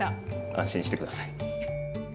安心して下さい。